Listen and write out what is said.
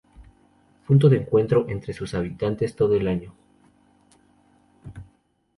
Punto de encuentro entre sus habitantes todo el año.